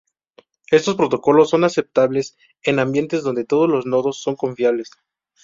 Estos protocolos son aceptables en ambientes donde todos los nodos son confiables.